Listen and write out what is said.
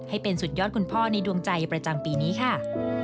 ให้เป็นสุดยอดคุณพ่อในดวงใจประจำปีนี้ค่ะ